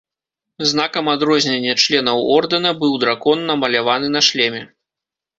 Знакам адрознення членаў ордэна быў дракон, намаляваны на шлеме.